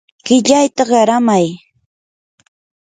qillayta qaramay.